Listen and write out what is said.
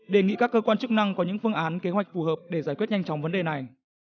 đề nghị các cơ quan chức năng có những phương án kế hoạch phù hợp để giải quyết nhanh chóng vấn đề này